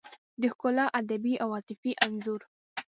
د ښکلا ادبي او عاطفي انځور